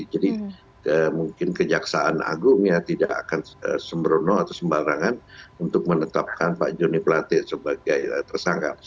jadi mungkin kejaksaan agung ya tidak akan sembrono atau sembarangan untuk menetapkan pak johnny kulete sebagai tersangka